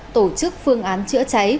tổ chức phương án chữa cháy